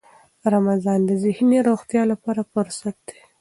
رمضان د ذهني روغتیا لپاره فرصت دی.